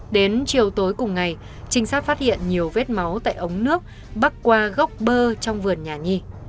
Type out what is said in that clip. đến chiều tối cùng ngày trinh sát phát hiện nhiều vết máu tại ống nước bắc qua góc bơ trong vườn nhà nhi